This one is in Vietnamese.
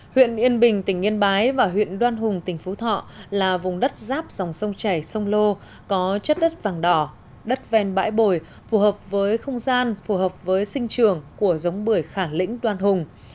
huyện yên bình tỉnh yên bái và huyện đoan hùng tỉnh phú thọ là vùng đất giáp dòng sông chảy sông lô có chất đất vàng đỏ đất ven bãi bồi phù hợp với không gian phù hợp với sinh trường của giống bưởi khả lĩnh đoan hùng